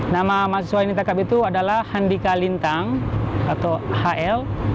nama mahasiswa yang ditangkap itu adalah handika lintang atau hl